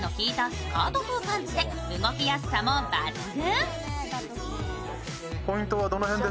スカート風パンツで動きやすさも抜群。